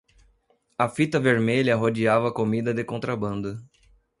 A fita vermelha rodeava a comida de contrabando.